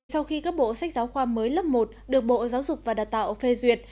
sau khi các bộ sách giáo khoa mới lớp một được bộ giáo dục và đào tạo phê duyệt